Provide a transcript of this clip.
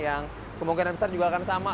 yang kemungkinan besar juga akan sama